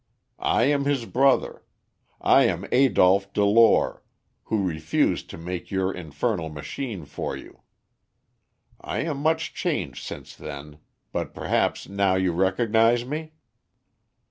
I am his brother. I am Adolph Delore, who refused to make your infernal machine for you. I am much changed since then; but perhaps now you recognise me?"